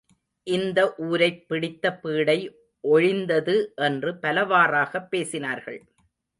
இந்த ஊரைப் பிடித்த பீடை ஒழிந்தது என்று பலவாறாகப் பேசினார்கள்.